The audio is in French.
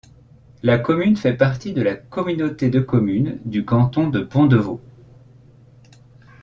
La commune fait partie de la communauté de communes du canton de Pont-de-Vaux.